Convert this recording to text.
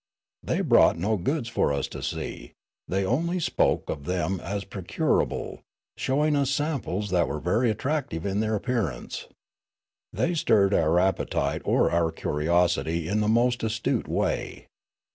They brought no goods for us to see ; the} only spoke of them as procurable, showing us samples that were very attractive in their appearance. They stirred our appetite or our curiosity in the most astute way.